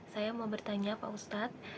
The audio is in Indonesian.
saya mau bertanya pak ustadz